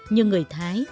như người thái